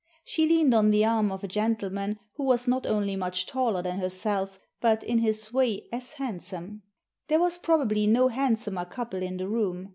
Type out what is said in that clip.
She leaned on the arm of a gentleman who was not only much taller than herself, but, in his way, as handsome. There was probably no handsomer couple in the room.